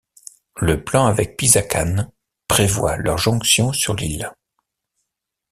Le plan avec Pisacane prévoit leur jonction sur l'île.